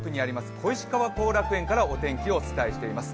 小石川後楽園からお天気をお伝えしています。